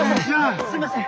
すいません。